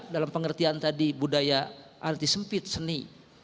dalam pengertian tadi budaya arti sempit seni